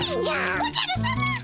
おじゃるさま！